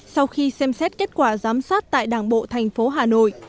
sau khi xem xét kết quả giám sát tại đảng bộ thành phố hà nội